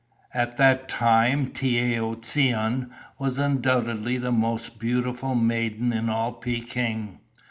"At that time Tiao Ts'un was undoubtedly the most beautiful maiden in all Peking.